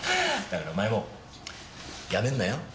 だからお前も辞めんなよ。